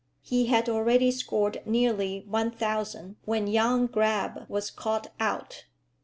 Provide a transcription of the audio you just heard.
He had already scored nearly 1000 when young Grabbe was caught out.